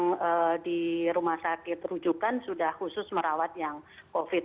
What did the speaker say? terdepan triasenya karena kan tadi disampaikan yang di rumah sakit rujukan sudah khusus merawat yang covid